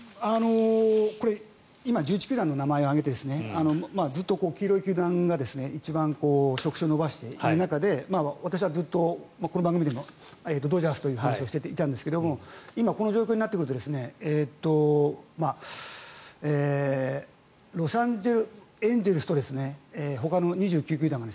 今、１１球団の名前を挙げてずっと黄色い球団が一番食指を伸ばしている中で私はずっとこの番組でもドジャースという話をしていたんですが今、この状況になってくるとロサンゼルス・エンゼルスとほかの球団が